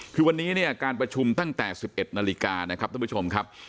คือวันนี้เนี่ยการประชุมตั้งแต่๑๑นาฬิกานะครับท่านผู้ชมครับ